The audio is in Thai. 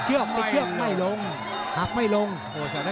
เจ้าแห่งซ้าย